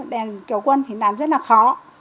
đèn kéo quân thì làm rất là khó